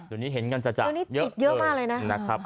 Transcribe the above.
ตัวนี้เห็นกันจ้ะ